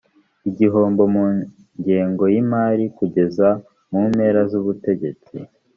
igihombo mu ngengo y imari kugeza mu mpera z ubutegetsi